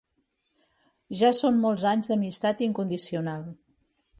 Ja són molts anys d'amistat incondicional.